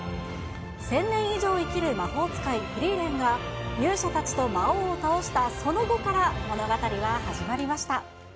１０００年以上生きる魔法使い、フリーレンが勇者たちと魔王を倒したその後から、物語は始まりました。